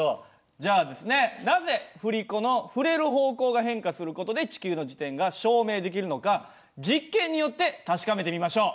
じゃあですねなぜ振り子の振れる方向が変化する事で地球の自転が証明できるのか実験によって確かめてみましょう！